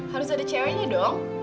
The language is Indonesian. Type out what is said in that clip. harus ada ceweknya dong